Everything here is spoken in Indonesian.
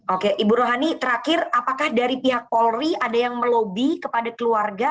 oke ibu rohani terakhir apakah dari pihak polri ada yang melobi kepada keluarga